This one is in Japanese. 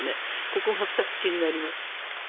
ここが２つ、気になります。